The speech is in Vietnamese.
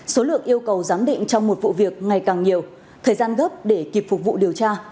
số lượng yêu cầu giám định trong một vụ việc ngày càng nhiều thời gian gấp để kịp phục vụ điều tra